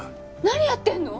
何やってんの！？